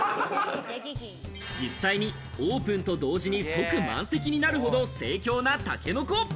実際にオープンと同時に、即満席になるほど盛況な竹の子。